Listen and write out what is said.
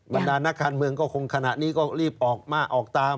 ดานักการเมืองก็คงขณะนี้ก็รีบออกมาออกตาม